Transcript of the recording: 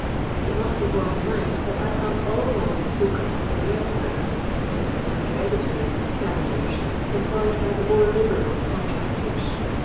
It must be borne in mind that I have all along spoken of the regular (many of them hereditary) scavagers employed by the more liberal contractors.